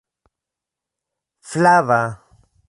flava